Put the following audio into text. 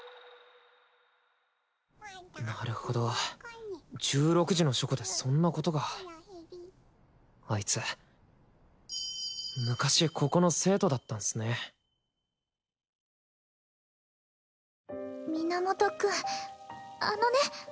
なるほど１６時の書庫でそんなことがあいつ昔ここの生徒だったんすね源くんあのね